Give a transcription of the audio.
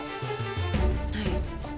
はい。